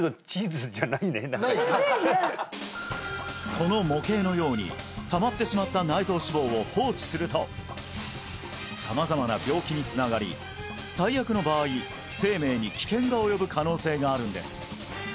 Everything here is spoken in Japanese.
この模型のようにたまってしまった内臓脂肪を放置すると様々な病気につながり最悪の場合生命に危険が及ぶ可能性があるんです